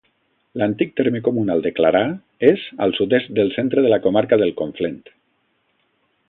L'antic terme comunal de Clarà és al sud-est del centre de la comarca del Conflent.